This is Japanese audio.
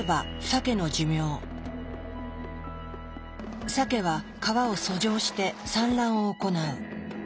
サケは川を遡上して産卵を行う。